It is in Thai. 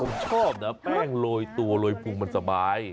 ผมชอบนะแป้งโรยตัวโรยพุงมันสบาย